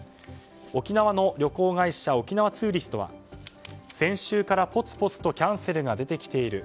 沖縄の旅行会社沖縄ツーリストは先週から、ぽつぽつとキャンセルが出てきている。